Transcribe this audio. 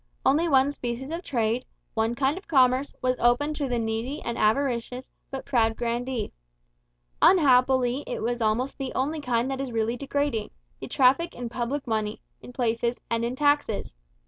Only one species of trade, one kind of commerce, was open to the needy and avaricious, but proud grandee. Unhappily it was almost the only kind that is really degrading the traffic in public money, in places, and in taxes.